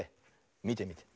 みてみて。